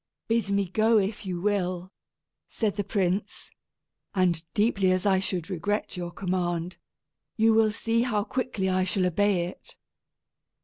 "Bid me go if you will," said the prince, "and deeply as I should regret your command, you will see how quickly I shall obey it.